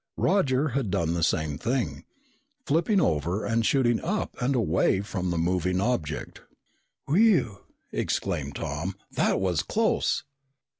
Roger had done the same thing, flipping over and shooting up and away from the moving object. "Whew!" exclaimed Tom. "That was close!"